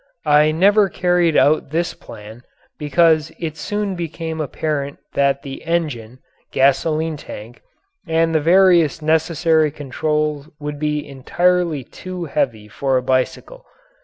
I never carried out this plan because it soon became apparent that the engine, gasoline tank, and the various necessary controls would be entirely too heavy for a bicycle.